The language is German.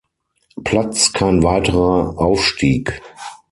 Platz kein weiterer Aufstieg.